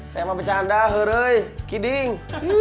saya mau bercanda huruih kidding